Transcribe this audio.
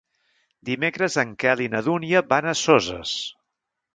Dimecres en Quel i na Dúnia van a Soses.